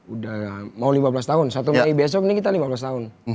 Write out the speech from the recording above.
udah mau lima belas tahun satu mei besok ini kita lima belas tahun